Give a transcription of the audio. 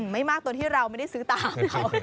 ไม่มากตรงที่ไม่ได้ซื้อตาม